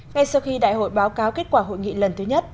ngay sau khi đại hội báo cáo kết quả hội nghị lần thứ nhất